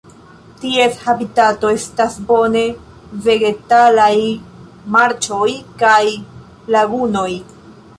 Ties habitato estas bone vegetalaj marĉoj kaj lagunoj.